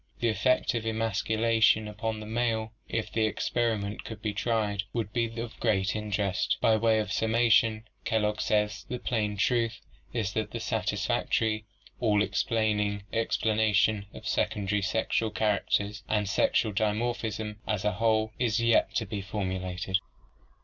The effect of emasculation upon the male if the experi ment could be tried would be of great interest. By way of summation Kellogg says: "The plain truth is that the satisfactory, all explaining explanation of secondary sexual char acters and sexual dimorphism as a whole is yet to be formulated."